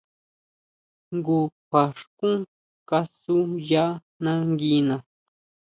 Njun kjua xkún kasu ya nanguina.